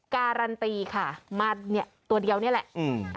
การันตีค่ะมาตัวเดียวนี่แหละ